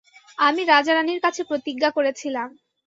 আমি রাজা-রানীর কাছে প্রতিজ্ঞা করেছিলাম।